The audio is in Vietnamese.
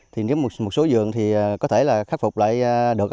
thì nếu một số vườn có thể khắc phục lại được